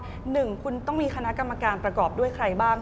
หนึ่งคุณต้องมีคณะกรรมการประกอบด้วยใครบ้าง